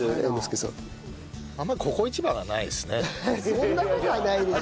そんな事はないでしょ。